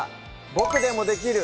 「ボクでもできる！